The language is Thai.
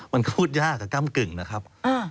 มันพูดยากอะกล้ามกึ่งนะครับ